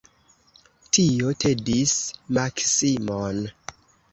Tio tedis Maksimon.